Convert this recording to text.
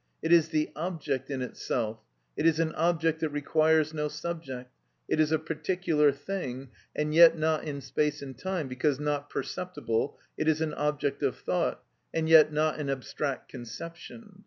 It is the object in itself; it is an object that requires no subject; it is a particular thing, and yet not in space and time, because not perceptible; it is an object of thought, and yet not an abstract conception.